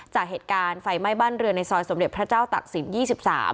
จากเหตุการณ์ไฟไหม้บ้านเรือนในซอยสมเด็จพระเจ้าตักศิลปยี่สิบสาม